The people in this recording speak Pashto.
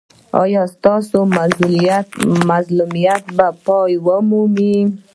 ایا ستاسو مظلومیت به پای ومومي؟